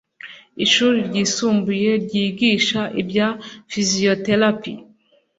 ishuri ryisumbuye ryigisha ibya fiziyoterapi